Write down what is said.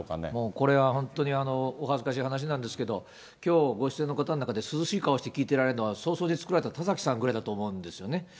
これは本当にお恥ずかしい話なんですけれども、きょうご出演の中で涼しい顔して聞いてられるのは、早々に作られた田崎さんぐらいだと思うんですよね。